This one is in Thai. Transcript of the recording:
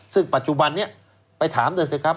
ซึ่งปัจจุบันนี้ไปถามด้วยสิครับ